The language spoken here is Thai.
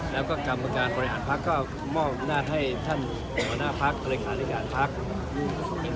และกรรมการบริหารพักษณ์ก็มอบหน้าให้ท่านหวันภักร์บริษัทริการพักษณ์